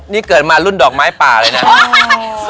นี่เกิดมารุ่นดอกไม้ป่าเลยนะ